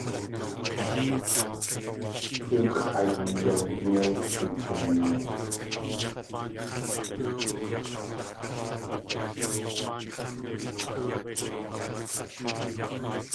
Du x̲ʼayee yan yéi wdudzinéi.